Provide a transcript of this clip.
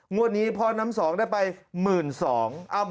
วันนี้พ่อน้ำสองได้ไป๑๒๐๐บาท